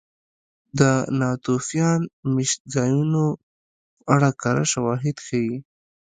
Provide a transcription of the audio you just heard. د ناتوفیان مېشتځایونو په اړه کره شواهد ښيي